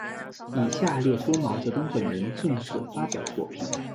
以下列出毛泽东本人正式发表作品。